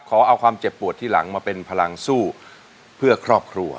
ขอเอาความเจ็บปวดที่หลังมาเป็นพลังสู้เพื่อครอบครัว